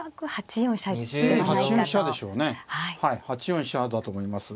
８四飛車だと思います。